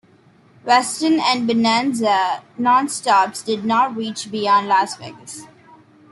Western and Bonanza nonstops did not reach beyond Las Vegas.